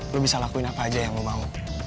lu bisa lakuin apa aja yang lu mau